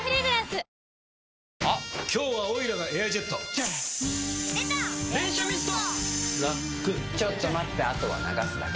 ちょっと待ってあとは流すだけ。